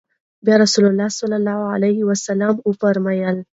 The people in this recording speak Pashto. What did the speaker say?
بيا رسول الله صلی الله عليه وسلم وفرمايل: